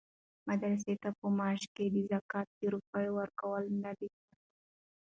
مدرس ته په معاش کې د زکات د روپيو ورکول ندی صحيح؛